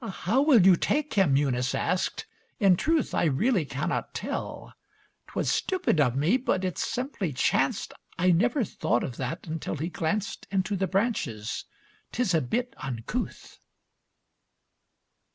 "How will you take him?" Eunice asked. "In truth I really cannot tell. 'Twas stupid of me, but it simply chanced I never thought of that until he glanced Into the branches. 'Tis a bit uncouth."